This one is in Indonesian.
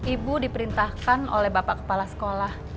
ibu diperintahkan oleh bapak kepala sekolah